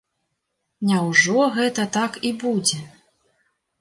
Няўжо гэта так і будзе?